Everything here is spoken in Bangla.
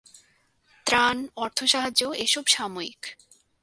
ত্রাণ, অর্থ সাহায্য এসব সাময়িক।